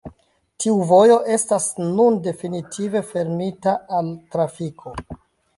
Tiu vojo estas nun definitive fermita al trafiko.